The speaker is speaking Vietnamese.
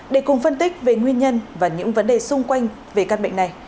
để cùng phân tích về nguyên nhân và những vấn đề xung quanh về các bệnh này